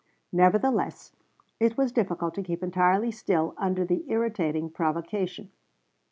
Nevertheless, it was difficult to keep entirely still under the irritating provocation.